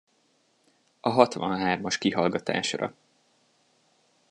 A hatvanhármas kihallgatásra!